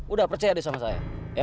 udah percaya deh sama saya